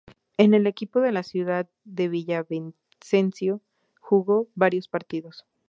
En el equipo de la ciudad de Villavicencio, jugó varios partidos.